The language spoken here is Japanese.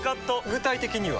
具体的には？